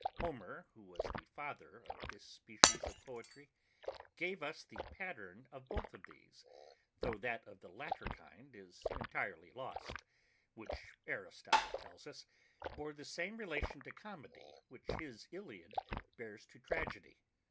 HOMER, who was the father of this species of poetry, gave us the pattern of both these, tho' that of the latter kind is entirely lost; which Aristotle tells us, bore the same relation to comedy which his Iliad bears to tragedy.